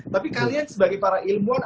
tapi kalian sebagai para ilmuwan